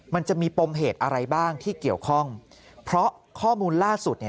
มันจะมีปมเหตุอะไรบ้างที่เกี่ยวข้องเพราะข้อมูลล่าสุด